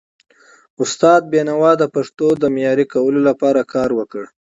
استاد بینوا د پښتو د معیاري کولو لپاره کار وکړ.